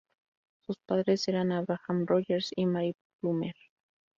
Sus padres eran Abraham Rogers y Mary Plummer.